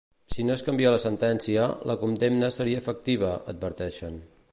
Si no es canvia la sentència, la condemna seria efectiva, adverteixen.